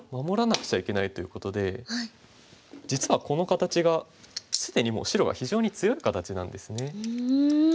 守らなくちゃいけないということで実はこの形が既にもう白が非常に強い形なんですね。